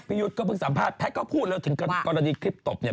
พี่หยุดก็พึ่งสัมภาษณ์แพทย์ก็พูดแล้วถึงกรณีคลิปตบเนี่ย